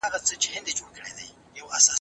دا غږ د نورو مادي اوازونو څخه بیخي جلا و.